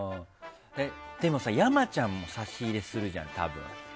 でも、山ちゃんも差し入れするじゃん、多分。